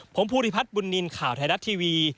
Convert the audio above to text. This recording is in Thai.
ผมภูริพัฒน์บุญนินทร์ข่าวไทยรัฐทีวี